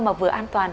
mà vừa an toàn